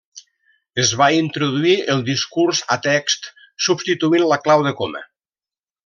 Es va introduir el discurs a text, substituint la clau de coma.